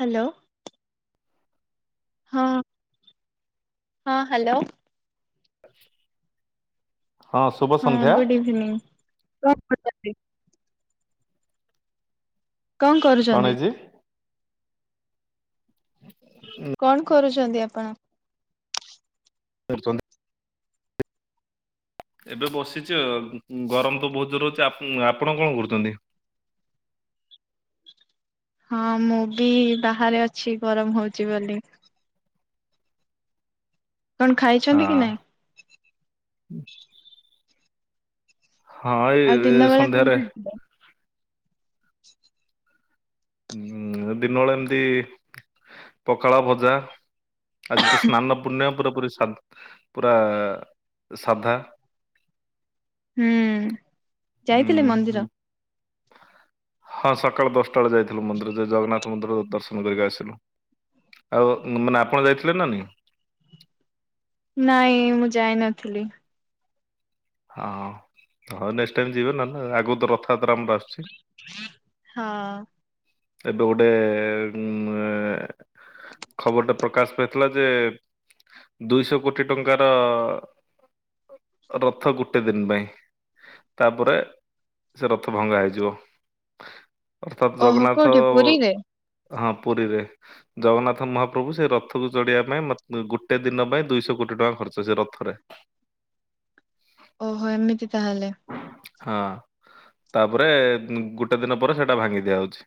Hello. ହଁ। ହଁ hello. ହଁ ଶୁଭ ସନ୍ଧ୍ୟା। ହୁଁ। କଁ କରୁଚନ୍ତି? କଁ କରୁଚନ୍ତି? ଗଣେଶଜୀ। କଣ କରୁଛନ୍ତି ଆପଣ? [unintelligible] ଏବେ ବସିଚି ଆଉ ଗରମ ତ ବହୁତ ଜୋର ହଉଚି ଆପ-ଆପଣ କଣ କରୁଚନ୍ତି? ହଁ ମୁଁ ବି ବାହାରେ ଅଛି ଗରମ ହଉଚି ବୋଲି। କଣ ହଁ ଖାଇଛନ୍ତି କି ନାଇଁ? ହଁ [unintelligible] ଆଉ ଦିନ ଏଇ ବେଳେ କଣ ସନ୍ଧ୍ୟାରେ। ଖାଇଥିଲେ? [inaudible] ଉଁ ଦିନବେଳେ ଏମତି ପଖାଳ, ଭଜା ଆଜି ତ ସ୍ନାନ ପୁର୍ଣିମା ପୁରା ପୁରି ସା ପୁରା ସାଧା। ହୁଁ ଯାଇଥିଲେ ଉଁ ମନ୍ଦିର? ହଁ ସକାଳ ଦଶଟା ବେଳେ ଯାଇଥିଲୁ ମନ୍ଦିର ଯେ ଜଗନ୍ନାଥ ମନ୍ଦିର ଦର୍ଶନ କରିକି ଆସିଲୁ, ଆଉ ମାନେ ଆପଣ ଯାଇଥିଲେ ନା ନାହିଁ? ନାଇଁ ମୁଁ ଯାଇ ନଥିଲି। ହଁ ହଉ ନେକ୍ସଟ ଟାଇମ ଯିବେ ନଲେ ଆଗକୁ ତ ରଥଯାତ୍ରା ଆମର ଆସୁଛି। ହଁ। ଏବେ ଗୋଟେ ଉଁ ଏ ଖବରଟା ପ୍ରକାଶ ପାଇଥିଲା ଯେ ଦୁଇଶ କୋଟି ଟଙ୍କାର ରଥ ଗୋଟେ ଦିନ ପାଇଁ। ତାପରେ ସେ ରଥ ଭଙ୍ଗା ହେଇଯିବ ଅର୍ଥାତ ଓହୋ ଜଗନ୍ନାଥ କୋଉଠି ପୁରୀରେ? ହଁ ପୁରୀରେ ଜଗନ୍ନାଥ ମହାପ୍ରଭୁ ସେ ରଥକୁ ଚଢିବା ପାଇଁ ଗୋଟେ ଦିନ ପାଇଁ ଦୁଇଶହ କୋଟି ଟଙ୍କା ଖର୍ଚ୍ଚ ସେ ରଥରେ। ଓହୋ ଏମିତି ତାହେଲେ? ହଁ ତାପରେ ଗୋଟେ ଦିନ ପରେ ସେଇଟା ଭାଙ୍ଗି ଦିଆଯାଉଛି।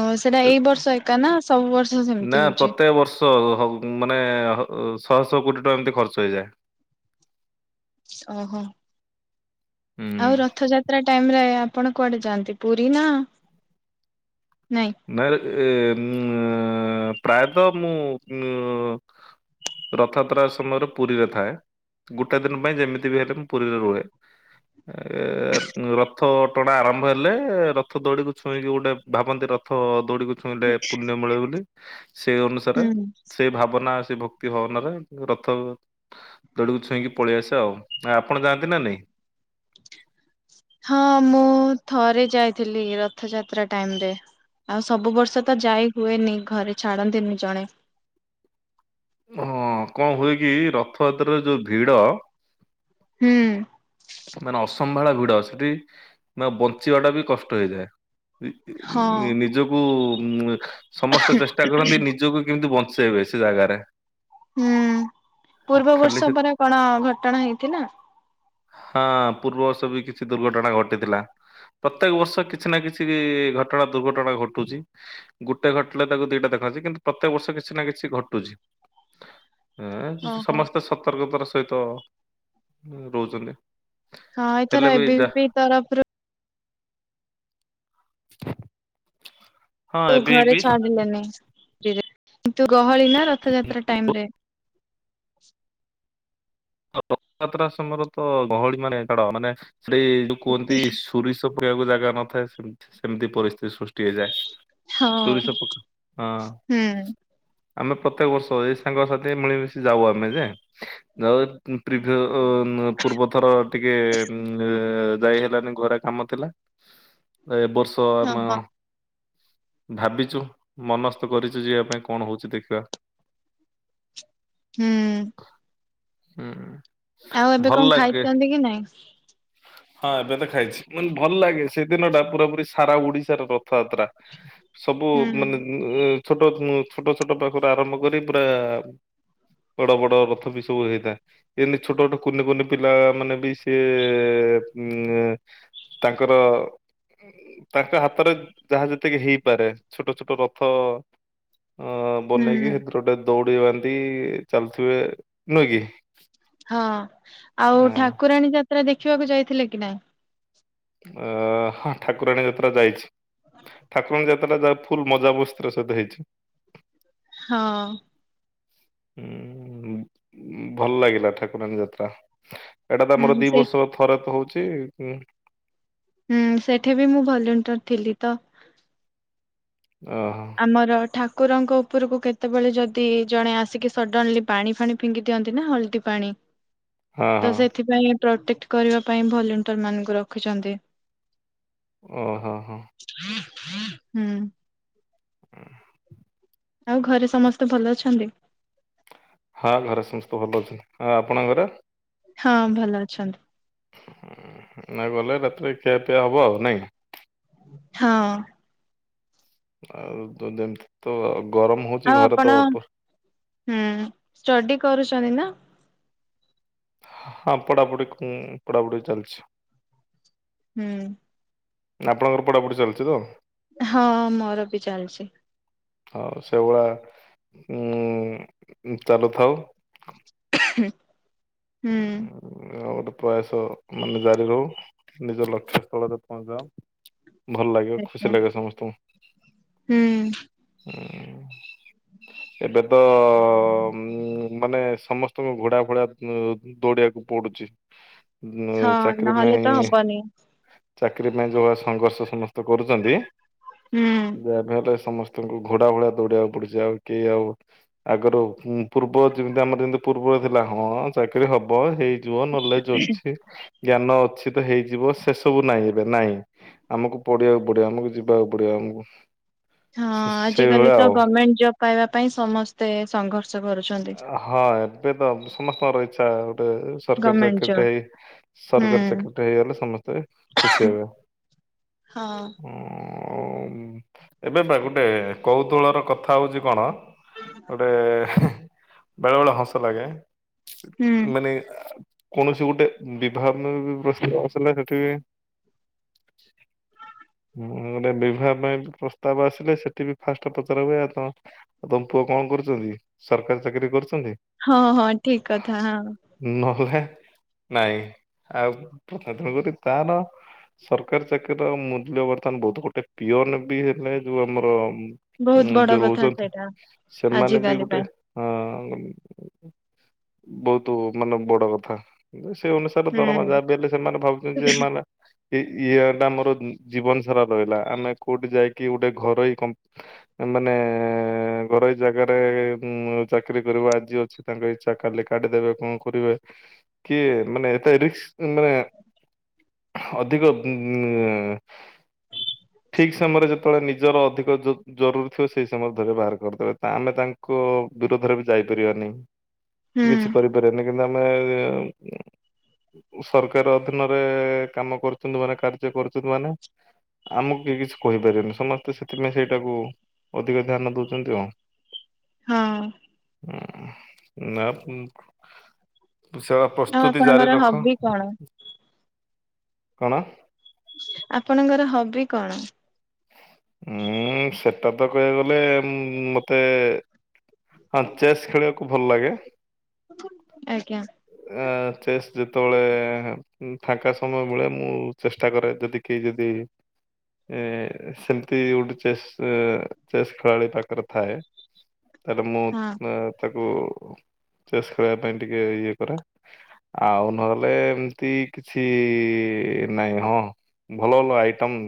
ଓ ସେଟା ଏଇ ବର୍ଷ ଏକା ନା ସବୁ ବର୍ଷ ସେମିତି ହଉଛି। ଶହ [unintelligible] ମାନେ ଶହ ଶହ କୋଟି ଟଙ୍କା ଏମିତି ଖର୍ଚ୍ଚ ହେଇଯାଏ। ଓହୋ, ହୁଁ ଆଉ ରଥଯା ଟାଇମ ରେ ଆପଣ କୁଆଡେ ଯାଆନ୍ତି ପୁରୀ ନା ନାଇଁ? ନାଇ ଉ ପ୍ରାୟତଃ ମୁଁ ରଥାଯାତ୍ରା ସମୟରେ ପୁରୀରେ ଥାଏ। ଗୋଟେ ଦିନ ପାଇଁ ଯେମିତି ବି ହେଲେ ମୁଁ ପୁରୀରେ ରୁହେ। ଏ ରଥ ଟଣା ଆରମ୍ଭ ହେଲେ ରଥ ଦୋଡିିକକୁ ଛୁଇଁକି ଗୋଟେ ଭାବନ୍ତି ରଥ ଦୌଡିିକ ଛୁଇଁଲେ ପୁଣ୍ୟ ମିଳେ ବୋଲି। ସେଇ ଅନୁସାରେ ହୁଁ। ସେ ଭାବନା ସେ ଭକ୍ତି ହଁ ମାନେ ରଥ ଦୌଡ଼ିକୁ ଛୁଇଁକି ପଳେଇ ଆସେ ଆଉ ଆପଣ ଯାଆନ୍ତି ନା ନାଇଁ? ହଁ ମୁଁ ଥରେ ଯାଇଥିଲି ରଥଯାତ୍ରା ଟାଇମ ରେ। ଆଉ ସବୁ ବର୍ଷ ତ ଯାଇ ହୁଏନି ଘରେ ଛାଡନ୍ତିନି ଜଣେ। ହଁ କଣ ହୁଏ କି ରଥଯାତ୍ରାରେ ଯୋଉ ଭିଡ ହୁଁ ମାନେ ଅସମ୍ଭାଳ ଭିଡ ସେଠି ମାନ ବଞ୍ଚିବା ଟା ବି କଷ୍ଟ ହଁ ହେଇଯାଏ। ନିଜକୁ ଉ ସମସ୍ତେ ଚେଷ୍ଟା କରନ୍ତି ନିଜକୁ କେମିତି ବଞ୍ଚ ସେ ଵେ ସେ ଜାଗାରେ। ହୁଁ ପୂର୍ବ ଖାଲି ବର୍ଷ ସେ ପରା କଣ ଘଟଣା ହେଇଥିଲା। ହଁ ପୂର୍ବ ସେ ବି କିଛି ଦୁର୍ଘଟଣା ଘଟିଥିଲା। ପ୍ରତ୍ୟେକ ବର୍ଷ କିଛି ନା କିଛି ଘଟଣା ଦୁର୍ଘଟଣା ଘଟୁଛି। ଗୋଟେ ଘଟିଲେ ତାକୁ ଦି ଟା ଦେଖଛି କିନ୍ତୁ ପ୍ରତ୍ୟେକ ବର୍ଷ କିଛି ନା କିଛି ଘଟୁଛି। ଏ ଓହୋ ସମସ୍ତେ ସତର୍କତାର ସହିତ ରହୁଛନ୍ତି। ହଁ ହେଲେ ଏଥର ଏବେ ଯା ବି ତରଫରୁ [inaudible] ତୁ ଘରେ ବି ଛାଡିଲେନି। ତୁ ଗହଳି ନା ରଥଯାତ୍ରା ଟାଇମ ରେ। [inaudible] ରଥଯାତ୍ରା ସମୟରେ ତ ଗହଳି ମାନେ ଛାଡ ମାନେ ସେଠ ଯୋଉ କୁହନ୍ତି ତୁରିସ୍ ପଖବାକୁ ଜାଗା ନଥାଏ ସେମିତି ପରିସ୍ଥିତି ସୃଷ୍ଟି ହେଇଯାଏ। ହଁ ସୂରି ସପକ ହଁ ହୁଁ ଆମେ ପ୍ରତ୍ୟେକ ବର୍ଷ ଏଇ ସାଙ୍ଗ ସାଥି ମିଳିମିଶି ଯାଉ ଆମେ ଯେ। ଯା ପ୍ରିଭ ଅ ପୂର୍ବଥର ଟିକେ ଯାଇ ହେଲାନି ଘରେ କାମ ଥିଲା ଏ ବର୍ଷ ତ ଆମେ ଓହୋ। ଭାବିଛୁ ମନସ୍ଥ କରିଛୁ ଯିବା ପାଇଁ କଣ ହଉଛି ଦେଖିବା। ହୁଁ ହୁଁ ଆଉ ଏବେ ଭଲ କଣ ଲାଗେ। ଖାଇଛନ୍ତି କି ନାଇଁ? ହଁ ଏବେ ତ ଖାଇଛି ମାନେ ଭଲ ଲାଗେ ସେଦିନ ଟା ପୁରା ପୁରୀ ସାରା ଓଡିଶାର ରଥଯାତ୍ରା। ସବୁ ହୁଁ ମାନେ ଛୋଟ ଛୋଟ ଛୋଟ ପାଖରୁ ଆରମ୍ଭ କରି ପୁରା ବଡ଼ ବଡ଼ ରଥ ବି ସବୁ ହେଇଥାଏ। ଏମତି ଛୋଟ ଛୋଟ କୁନି କୁନି ପିଲା ମାନେ ବି ସିଏ ଉ ତାଙ୍କର ତାଙ୍କ ହାତରେ ଯାହା ଯେତିକି ହେଇପାରେ ଛୋଟ ଛୋଟ ରଥ। ଅ ହୁଁ ବନେଇକି ସେଥିରେ ଗୋଟେ ଦୌଡି ବାନ୍ଧି ଚାଲୁଥିବେ ନୁହେଁ କି? ହଁ ଆଉ ଅ ଠାକୁରାଣୀ ଯାତ୍ରା ଦେଖିବାକୁ ଯାଇଥିଲେ କି ନାଇଁ? ଅ ଠାକୁରାଣୀ ଯାତ୍ରା ଯାଇଛି। ଠାକୁରାଣୀ ଯାତ୍ରା ସେଟ ଯାହା ଫୁଲ ମଜା ମସ୍ତିର ସହିତ ହେଇଛି। ହଁ ହୁଁ ଉମ୍ ଭଲ ଲାଗିଲା, ଠାକୁରାଣୀ ଯାତ୍ରା। ଏଇଟା ତ ଆମର ହୁଁ ଦି ସେଇ ବର୍ଷର ଥରେ ତ ହଉଛି ହୁଁ, ସେଠି ବି ମୁଁ ଭଲେଣ୍ଟର ଥିଲି ତ ଓହୋ। ଆମର ଠାକୁରଙ୍କ ଉପରକୁ କେତେବେଳେ ଯଦି ଜଣେ ଆସିକି ସଡନଲି ପାଣି ଫାଣି ପିଙ୍ଗି ଦିଅନ୍ତି ନା, ହଳଦୀ ପାଣି [inaudible] ତ ହଁ ସେଥିପାଇଁ ପ୍ରୋଟେକ୍ଟ କରିବା ପାଇଁ ଭଲିଣ୍ଟରମାନଙ୍କୁ ରଖିଛନ୍ତି। ଓହୋ, ହଁ। ହୁଁ। [inaudible] ଆଉ ଘରେ ସମସ୍ତେ ଭଲ ଅଛନ୍ତି? ହଁ ଘରେ ସମସ୍ତେ ଭଲ ଅଛନ୍ତି। ହଁ ଆପଣଙ୍କ ଘରେ? ହଁ ଭଲ ଅଛନ୍ତି। ନା ଗଲେ ରାତିରେ ଖିଆପିଆ ହବ ଆଉ ନାଇଁ? ହଁ। ଆଉ ତ ଯେମତି ତ ଗରମ ହଉଛି ଆଉ ଘରେ ଆପଣ ତ ପଶ୍ ହୁଁ। ଷ୍ଟଡି କରୁଛନ୍ତି ନା? ହଁ ପଢାପଢି, କୁଁ ପଢାପଢି ଚାଲିଛି। ହୁଁ। ଆପଣଙ୍କର ପଢାପଢି ଚାଲଚି ତ? ହଁ ମୋର ବି ଚାଲଚି। ହଉ ସେଗୁଳା ଉମ୍ ଚାଲୁଥାଉ ହୁଁ। ଆଉ ଗୋଟେ ପ୍ରୟାସ ମାନେ ଜାରି ରହୁ, ନିଜ ଲକ୍ଷ୍ୟ ସ୍ଥଳରେ ପହଞ୍ଚିଯାଅ ଭଲ ଲାଗିବ, ଖୁସି ଆଜ୍ଞା ଲାଗିବ ସମସ୍ତଙ୍କୁ। ହୁଁ ଏବେ ତ ଉମ୍ ମାନେ ସମସ୍ତ ସ୍ତଙ୍କୁ ଘୋଡା ଭଳିଆ ଉମ୍ ଦୌଡିବାକୁ ପଡୁଛି। ଉମ୍ ହଁ ଚାକିରୀ ନହେଲେ ପାଇଁ ତ ହବନି। ଚାକିରୀ ପାଇଁ ଯୋଉ ଭଳିଆ ସଂଘର୍ଷ ସମସ୍ତେ କରୁଚନ୍ତି, ହୁଁ। ଯାହାବି ହେଲେ ସମସ୍ତ ସ୍ତଙ୍କୁ ଘୋଡା ଭଳିଆ ଦୌଡିବାକୁ ପଡୁଛି ଆଉ କେହି ଆଉ ଆଗରୁ ପୂର୍ବ ଯେମତି ଆମର ଯେମିତି ପୂର୍ବରେ ଥିଲା ହଁ ଚାକିରୀ ହବ, ହେଇଯିବ, ନଲେଜ ଅଛି ଜ୍ଞାନ ଅଛିି ତ ହେଇଯିବ, ସେ ସବୁ ନାହିଁ ଏବେ ନାଇଁ। ଆମକୁ ପଢ଼ିବାକୁ ପଡିବ, ଆମକୁ ଯିବାକୁ ପଡିବ ଆମକୁ। ହଁ ସେ- ଆଜିକାଲି ସେଇଭଳିଆ ତ ଆଉ ଗମେଣ୍ଟ ଜବ୍ ପାଇବା ପାଇଁ ସମସ୍ତେ ସଂଘର୍ଷ କରୁଛନ୍ତି। ହଁ ଏବେ ତ ସମସ୍ତଙ୍କର ଇଚ୍ଛା ଗୋଟେ ସରକାରୀ ଗଭର୍ଣମେଣ୍ଟ ଚାକିରୀ ଜବ୍ ଟାଇ ସରକାରୀ ହୁଁ। ଚାକିରୀ ଟାଇ ହେଇଗଲେ, ସମସ୍ତେ ଖୁସି ହେବେ। ହଁ। ଉଁ, ଏବେ ବା ଗୋଟେ କୌତୁହଳର କଥା ହଉଛି କଣ ଗୋଟେ ହେଁ ବେଳେବେଳେ ହସ ଲାଗେ, ହୁଁ ମାନେ କୌଣସି ଗୋଟେ ବିଭାହ [unintelligible] ପ୍ରସ୍ତାବ ଆସିଲେ ସେଠି ବି ମାନେ ବିବାହ ପାଇଁ ପ୍ରସ୍ତାବ ଆସିଲେ ସେଠି ବି ଫାଷ୍ଟ ପଚରା ହୁଏ, ଆରେ ତମ ଆଉ ତମ ପୁଅ କଣ କରୁଚନ୍ତି, ସରକାରୀ ଚାକିରୀ କରୁଛନ୍ତି? ହଁ ହଁ ଠିକ କଥା, ହଁ। ନହେଲେ ନାଇଁ, ଆଉ [unintelligible] ତେଣୁ କରି ତାର ସରକାରୀ ଚାକିରୀର ମୂଲ୍ୟ ବର୍ତ୍ତମାନ ବହୁତ। ଗୋଟେ ପିଅନ ବି ହେଲେ ଯୋଉ ଆମର ବହୁତ ଉମ୍ ବଡ ଯୋଉ କଥା ରହୁଛନ୍ତି, ସେଇଟା। ସେମାନେ ବି ଆଜିକାଲି ଗୋଟେ ପାଇଁ ହଁ, ବହୁତ ମାନେ ବଡ କଥା। ସେ ଅନୁସାରେ ଦରମା ହୁଁ ଯା ଦେଲେ ସେମାନେ ଭାବୁଛନ୍ତି ଯେ ସେମାନେ ଏ ଇଏ ଟା ଆମର ଜୀବନ ସାରା ରହିଲା ଆମେ କୋଉଠି ଯାଇକି ଗୋଟେ ଘରୋଇ କ ମାନେ ଘରୋଇ ଜାଗାରେ ହୁଁ ଚାକିରି କରିବ ଆଜି ଅଛି ତାଙ୍କ ଇଛା କାଲି କାଢ଼ି ଦେବେ କଣ କରିବେ। କି ମାନେ ଏତେ ରିକ୍ସ ମାନେ ଅଧିକ ଠିକ୍ ସମୟରେ ଯେତେବେଳେ ନିଜର ଅଧିକ ଜ ଜରୁରୀ ଥିବ ସେଇ ସମୟରେ ଧରି ବାହାର କରିଦେବେ ଆମେ ତା ଙ୍କ ବିରୋଧରେ ବି ଯାଇପାରିବାନି ହୁଁ କି କିଛି କରିପାରିବାନି କିନ୍ତୁ ଆମେ ସରକାର ଅଧୀନରେ କାମ କରୁଛନ୍ତି ମାନେ କାର୍ଯ୍ୟ କରୁଛନ୍ତି ମାନେ ଆମକୁ କି କିଛି କହିପାରିବେନି ସମସ୍ତେ ସେଥିପାଇଁ ସେଇଟାକୁ ଅଧିକ ଧ୍ୟାନ ଦେଉଛନ୍ତି ଆଉ। ହଁ। ନା [unintelligible] ସେ ଆଉ ପ୍ରସ୍ତୁତି ଜାରି ଆପଣଙ୍କର ରଖ। ହବି କଣ କଣ? ଆପଣଙ୍କର ହବି କଣ? ହୁଁ ସେଟା ତ କହିବାକୁ ଗଲେ ମତେ ହଁ ଚେସ୍ ଖେଳିବାକୁ ଭଲ ଲାଗେ। ଆଜ୍ଞା। ଅ ଚେସ୍ ଯେତେବେଳେ ଫାଙ୍କା ସମୟ ବେଳେ ମୁଁ ଚେଷ୍ଟା କରେ ଯଦି କେହି ଯଦି ଏ ସେମିତି ଉଡ଼୍ ଚେସ୍ ଚେସ୍ ଖେଳାଳି ପାଖରେ ଥାଏ। ତାହେଲେ ମୁଁ ହଁ। ତାକୁ ଚେଷ ଖେଳିବା ପାଇଁ ଟିକେ ଇଏ କରେ। ଆଉ ନହେଲେ ଏମିତି କିଛି ନାଇଁ ହଁ। ଭଲ ଭଲ ଆଇଟମ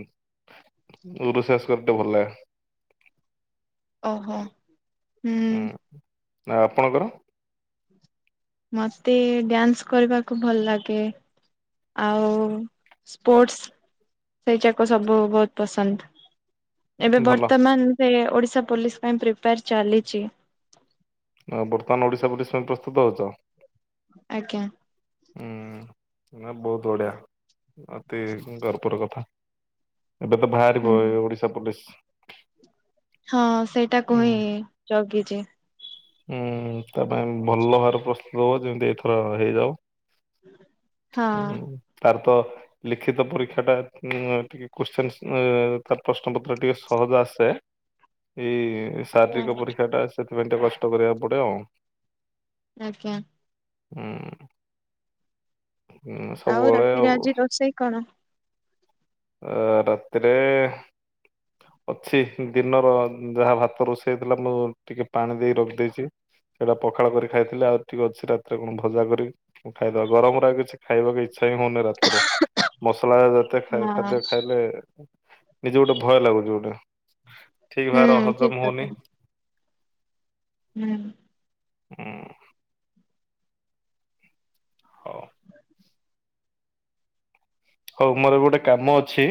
ର ରୋଷେଇ କରିତେ ଭଲ ଲାଗେ। ଓହୋ। ହୁଁ ଆ ଆପଣଙ୍କର? ମତେ ଡ୍ୟାନ୍ସ କରିବାକୁ ଭଲ ଲାଗେ। ଆଉ ସ୍ପୋର୍ଟସ ସେଇଯାକ ସବୁ ବହୁତ ପସନ୍ଦ। ଏବେ ଭଲ ବର୍ତ୍ତମାନ ସେ ଓଡିଶା ପୋଲିସ ପାଇଁ ପ୍ରିପାୟର ଚାଲିଛି। ନା ବର୍ତ୍ତମାନ ଓଡିଶା ପୋଲିସ ପାଇଁ ପ୍ରସ୍ତୁତ ଅଛ? ଆଜ୍ଞା। ହୁଁ ନା ବହୁତ ବଢିଆ ଅତି ଗର୍ବର କଥା। ଏବେ ତ ହୁଁ ବାହାରିବ ଏ ଓଡିଶା ପୋଲିସ ହଁ ସେଇଟାକୁ ହୁଁ ହିଁ ଜଗିଛି। ହୁଁ ତା ପାଇଁ ଭଲ ଭାବରେ ପ୍ରସ୍ତୁତ ହବ ଯେମିତି ଏଥର ହେଇଯାଉ। ହୁଁ ହଁ। ତାର ତ ଲିଖିତ ପରୀକ୍ଷା ଟା [unintelligible] କୋତ୍ସିନ ତାର ପ୍ରଶ୍ନ ପତ୍ର ଟିକେ ସହଜ ଆସେ ଏଇ ଶାରୀରିକ ପରୀକ୍ଷା ଟା ସେଥିପାଇଁ ଟିକେ କଷ୍ଟ କରିବାକୁ ପଡେ ଆଉ। ଆଜ୍ଞା। ହୁଁ। ହୁଁ ସବୁବେଳେ ରାତିରେ ଆଉ। ଆଜି ରୋଷେଇ କଣ? ଆ ରାତିରେ ଅଛି ଦିନର ଯାହା ଭାତ ରୋଷେଇ ହେଥିଲା ମୁଁ ଟିକେ ପାଣି ଦେଇ ରଖି ଦେଇଛି ସେଇଟା ପଖାଳ କରି ଖାଇଥିଲେ ଆଉ ଟିକେ ଅଛି ରାତିରେ କଣ ଭଜା କରି ଖାଇଦବା ଗରମରେ କିଛି ଖାଇବାକୁ ଇଛା ହଉନି ରାତି ରେ ମସଲା ଜାତୀୟ ହଁ ଖାଦ୍ୟ ଖାଇଲେ ନିଜେ ଗୋଟେ ଭୟ ଲାଗୁଛି ଗୋଟେ ଠିକ ଭାବରେ ହୁଁ ଠିକ ହଜମ କଥା ହଉନି। ହୁଁ। ହଁ। ହଉ। ହଉ ମୋର ଏବେ ଗୋଟେ କାମ ଅଛି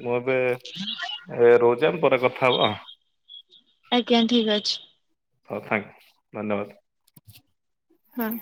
ମୁଁ ଏବେ ଏ ରହୁଛି ଆମେ ପରେ କଥା କଥା ହେବା। ଆଜ୍ଞା ଠିକ ଅଛି। ହଉ ଥ୍ୟାଙ୍କ ୟୁ ଧନ୍ୟବାଦ। ହଁ।